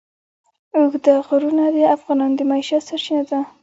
اوږده غرونه د افغانانو د معیشت سرچینه ده.